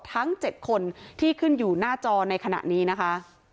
ทั้ง๗คนที่ขึ้นอยู่หน้าจอในขณะนี้นะคะ